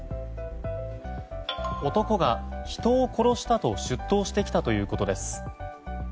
男が人を殺したと出頭してきたということです。